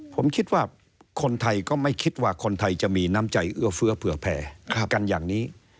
ผมคิดว่าคนไทยก็ไม่คิดว่าคนไทยจะมีน้ำใจเอื้อเฟื้อเผื่อแผ่กันอย่างนี้